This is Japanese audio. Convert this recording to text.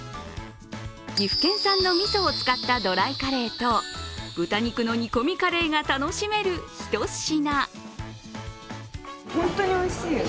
岐阜県産のみそを使ったドライカレーと豚肉の煮込みカレーが楽しめるひと品。